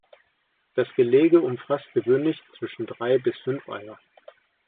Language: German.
Das Gelege umfasst gewöhnlich zwischen drei bis fünf Eier.